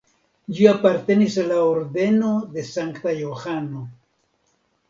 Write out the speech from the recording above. Ĝi apartenis al la Ordeno de Sankta Johano.